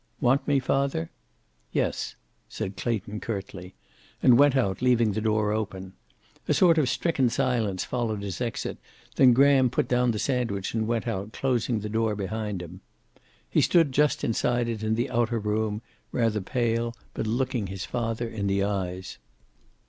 "Want me, father?" "Yes," said Clayton, curtly. And went out, leaving the door open. A sort of stricken silence followed his exit, then Graham put down the sandwich and went out, closing the door behind him. He stood just inside it in the outer room, rather pale, but looking his father in the eyes.